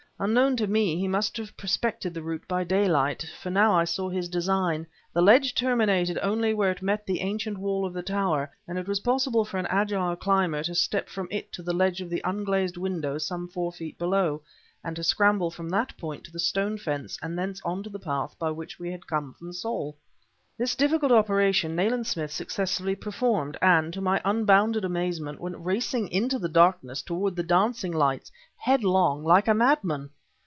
Unknown to me he must have prospected the route by daylight, for now I saw his design. The ledge terminated only where it met the ancient wall of the tower, and it was possible for an agile climber to step from it to the edge of the unglazed window some four feet below, and to scramble from that point to the stone fence and thence on to the path by which we had come from Saul. This difficult operation Nayland Smith successfully performed, and, to my unbounded amazement, went racing into the darkness toward the dancing light, headlong, like a madman!